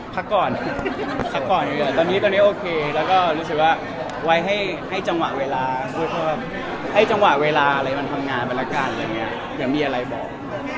อ๋อพักก่อนค่ะตอนนี้โอเคแล้วก็รู้สึกว่าให้จังหวะเวลาให้จังหวะเวลามันทำงานต่างกันอย่างนี้เผื่อมีอะไรบอก